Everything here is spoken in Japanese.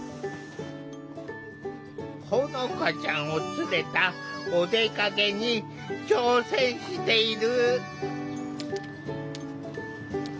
ほのかちゃんを連れたお出かけに挑戦している。